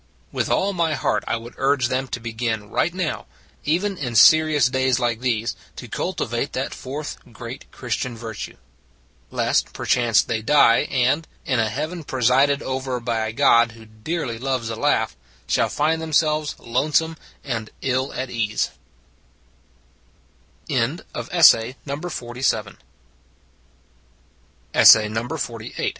With all my heart I would urge them to begin right now even in serious days like these to cultivate that fourth great Christian virtue. Lest perchance they die, and in a heaven presided over by a God who dearly loves a laugh shall find themselves lone some and ill at ease.